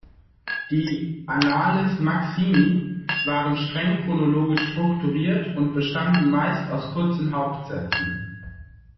Die "annales maximi" waren streng chronologisch strukturiert und bestanden meist aus kurzen Hauptsätzen.